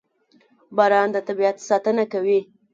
• باران د طبیعت ساتنه کوي.